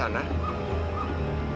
biar saya mengambil arah sini